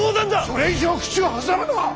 それ以上口を挟むな！